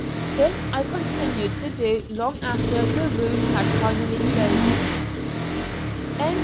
This I continued to do long after the wound had finally closed.